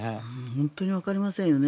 本当にわかりませんよね。